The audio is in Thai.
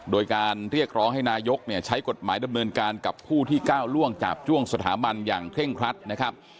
โดยการเรียกร้องให้นายกเนี่ยใช้กฎหมายดำเนินการกับผู้ที่ก้าวล่วงจาบจ้วงสถาบันอย่างเคร่งครัดนะครับ